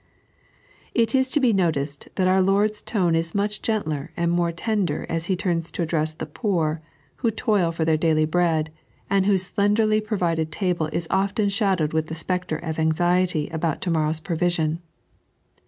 It is to be noticed that our Lord's tone is much gentler and more tender as He turns to address the poor, who toil for their daily bread, and whose slenderly provided table is often shadowed with the spectre of anxiety about to morrow's provision.